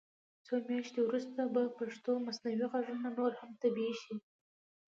څو میاشتې وروسته به پښتو مصنوعي غږونه نور هم طبعي شي.